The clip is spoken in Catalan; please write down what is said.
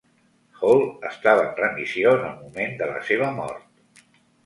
Hall estava en remissió en el moment de la seva mort.